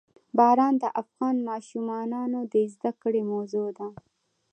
باران د افغان ماشومانو د زده کړې موضوع ده.